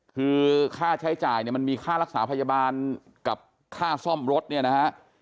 คือค่าใช้จ่ายเนี่ยมันมีค่ารักษาพยาบาลกับค่าซ่อมรถเนี่ยนะฮะ